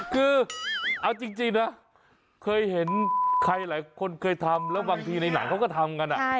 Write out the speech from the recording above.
คือเอาจริงนะเคยเห็นคนเคยทำแล้วบางทีในหนังเค้าก็ทำกันแหละ